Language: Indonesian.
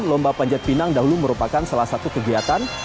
lomba panjat pinang dahulu merupakan salah satu kegiatan